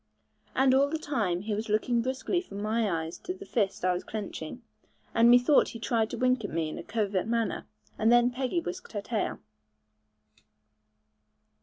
And all the time he was looking briskly from my eyes to the fist I was clenching, and methought he tried to wink at me in a covert manner; and then Peggy whisked her tail.